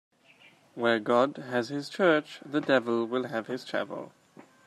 Where God has his church, the devil will have his chapel.